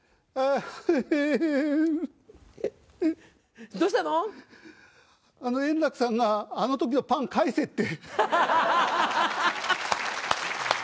あの、円楽さんが、あのときのパン返せって。